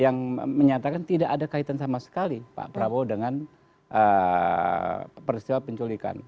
yang menyatakan tidak ada kaitan sama sekali pak prabowo dengan peristiwa penculikan